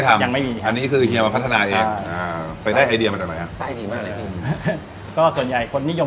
ครับมีกระเทียมด้วยค่ะแล้วก็เผ็ดจริงจริงแล้วเนี้ย